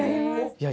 いや